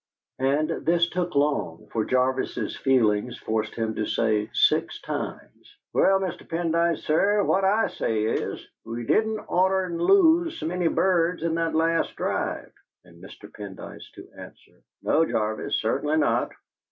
And this took long, for Jarvis's feelings forced him to say six times, "Well, Mr. Pendyce, sir, what I say is we didn't oughter lose s'many birds in that last drive;" and Mr. Pendyce to answer: "No, Jarvis, certainly not.